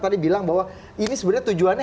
tadi bilang bahwa ini sebenarnya tujuannya